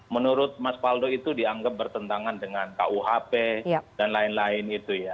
menurut mas paldo itu dianggap bertentangan dengan kuhp dan lain lain itu ya